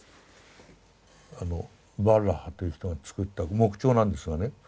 あのバルラハという人が作った木彫なんですがね